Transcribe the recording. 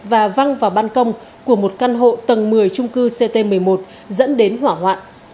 và văng vào ban công của một căn hộ tầng một mươi trung cư ct một mươi một dẫn đến hỏa hoạn